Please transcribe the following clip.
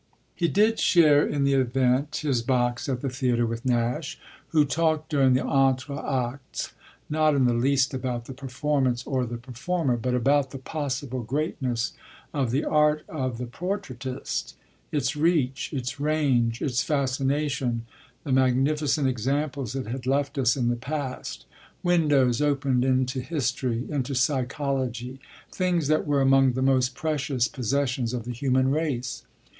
He did share, in the event, his box at the theatre with Nash, who talked during the entr'actes not in the least about the performance or the performer, but about the possible greatness of the art of the portraitist its reach, its range, its fascination, the magnificent examples it had left us in the past: windows open into history, into psychology, things that were among the most precious possessions of the human race.